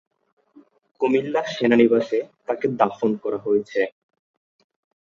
কুমিল্লা সেনানিবাসে তাকে দাফন করা হয়েছে।